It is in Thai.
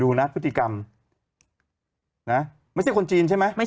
โหยวายโหยวายโหยวายโหยวายโหยวายโหยวาย